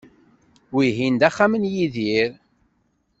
Wihin d axxam n Yidir.